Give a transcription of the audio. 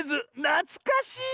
なつかしい。